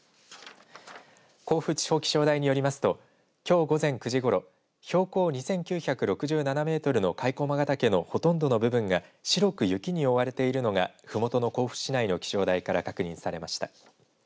甲府地方気象台によりますときょう午前９時ごろ標高２９６７メートルの甲斐駒ヶ岳のほとんどの部分が白く雪に覆われているのがふもとの甲府市内の気象台から確認されました。